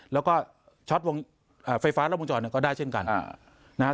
แล้วก็ช็อตวงอ่าไฟฟ้าและวงจรเนี่ยก็ได้เช่นกันอ่านะฮะ